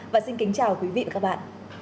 và xin kính chào quý vị và các bạn